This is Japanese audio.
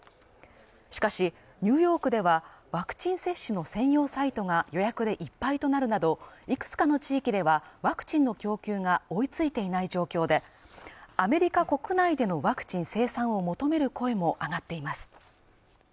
しかしニューヨークではワクチン接種の専用サイトが予約でいっぱいとなるなどいくつかの地域ではワクチンの供給が追いついていない状況でアメリカ国内でのワクチン生産を求める声も上がっています